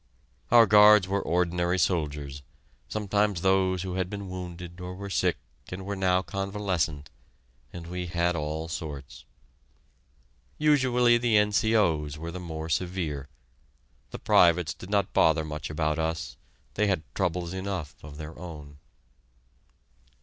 Our guards were ordinary soldiers sometimes those who had been wounded or were sick and were now convalescent and we had all sorts. Usually the N.C.O.'s were the more severe. The privates did not bother much about us: they had troubles enough of their own.